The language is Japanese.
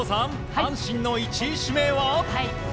阪神の１位指名は。